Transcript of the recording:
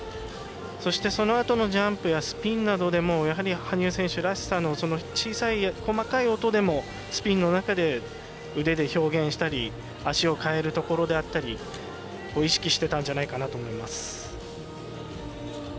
そしてそのあとのジャンプやスピンなどもやはり、羽生選手らしさの小さい細かい音でもスピンの中で、腕で表現したり足を換えるところであったりを意識してたんじゃないかなと思います。